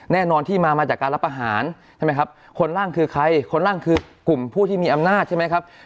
แน่นอนที่มามาจากการรับอาหารใช่ไหมครับคนล่างคือใครคนล่างคือกลุ่มผู้ที่มีอำนาจใช่ไหมครับ